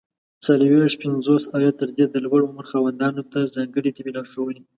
څلوېښت، پنځوس او یا تر دې د لوړ عمر خاوندانو ته ځانګړي طبي لارښووني!